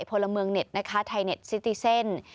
พลเมืองเน็ตนะคะไทยเน็ตซิติเซ่น